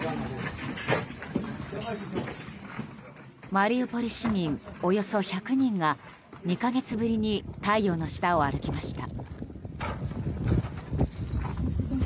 マリウポリ市民およそ１００人が２か月ぶりに太陽の下を歩きました。